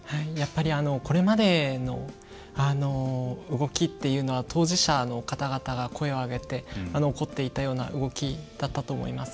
これまでの動きっていうのは当事者の方々が声を上げて起こっていたような動きだったと思います。